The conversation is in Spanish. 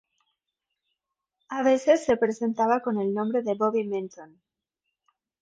A veces se presentaba con el nombre de Bobby Minton.